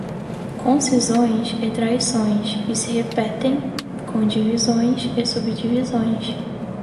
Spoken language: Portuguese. com cisões e traições que se repetem, com divisões e subdivisões